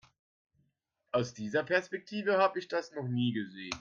Aus dieser Perspektive habe ich das noch nie gesehen.